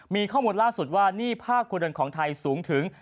มีข้อมูลล่าสุดว่าหนี้ภาคครัวเรือนของไทยสูงถึง